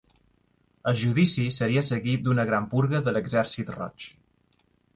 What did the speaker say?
El judici seria seguit d'una gran purga de l'Exèrcit Roig.